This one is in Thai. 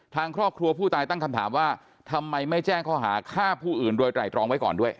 ทางครอบครัวผู้ตายตั้งคำถามว่าทำไมไม่แจ้งข้อหาฆ่าผู้อื่นโดยไตรรองไว้ก่อนด้วย